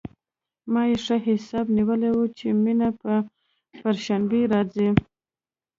ما يې ښه حساب نيولى و چې مينه به پر شنبه راځي.